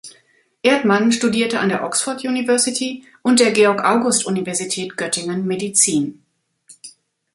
Erdmann studierte an der Oxford University und der Georg-August-Universität Göttingen Medizin.